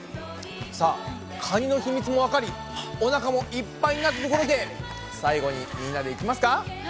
さあカニの秘密もわかりおなかもいっぱいになったところで最後にみんなでいきますか！